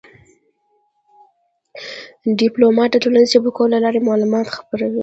ډيپلومات د ټولنیزو شبکو له لارې معلومات خپروي.